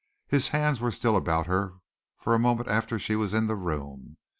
His hands were still about her for a moment after she was in the room.